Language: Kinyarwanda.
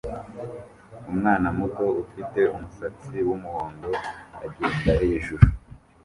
Umwana muto ufite umusatsi wumuhondo agenda hejuru